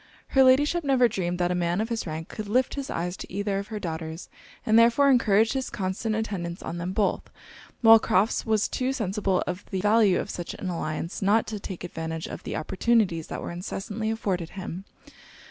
Her Ladyship never dreamed that a man of his rank could lift his eyes to either of her daughters, and therefore encouraged his constant attendance on them both; while Crofts was too sensible of the value of such an alliance not to take advantage of the opportunities that were incessantly afforded him.